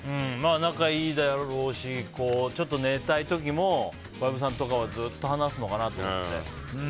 仲いいだろうであろうしちょっと寝たい時も小籔さんとかはずっと話すのかなと思って。